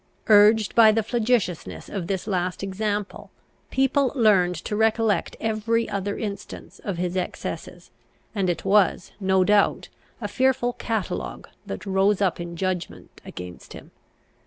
Urged by the flagitiousness of this last example, people learned to recollect every other instance of his excesses, and it was, no doubt, a fearful catalogue that rose up in judgment against him.